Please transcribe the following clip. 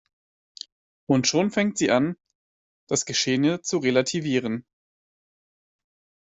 Und schon fängt sie an, das Geschehene zu relativieren.